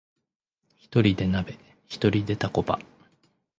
ひとりで鍋、ひとりでタコパ